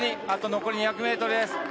あと残り２００ｍです。